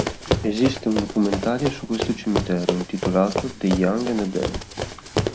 Esiste un documentario su questo cimitero, intitolato "The Young and the Dead".